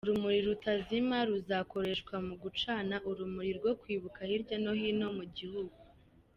Urumuri Rutazima ruzakoreshwa mu gucana urumuri rwo Kwibuka hirya no hino mu gihugu.